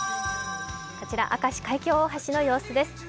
こちら明石海峡大橋の様子です。